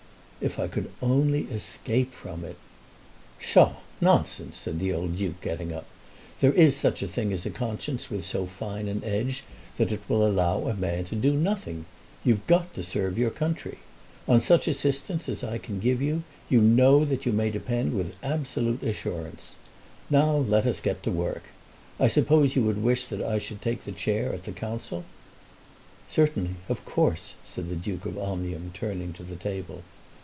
"If I could only escape from it!" "Psha; nonsense!" said the old Duke, getting up. "There is such a thing as a conscience with so fine an edge that it will allow a man to do nothing. You've got to serve your country. On such assistance as I can give you you know that you may depend with absolute assurance. Now let us get to work. I suppose you would wish that I should take the chair at the Council." "Certainly; of course," said the Duke of Omnium, turning to the table.